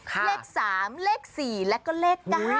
เลข๓เลข๔แล้วก็เลข๙